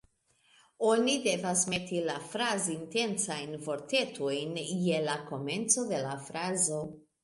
Oni devas meti la "fraz-intencajn" vortetojn je la komenco de la frazo